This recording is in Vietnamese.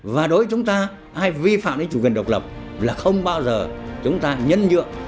và đối với chúng ta ai vi phạm đến chủ quyền độc lập là không bao giờ chúng ta nhân nhượng